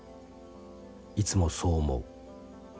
いつもそう思う。